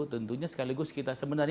tentunya sekaligus kita sebenarnya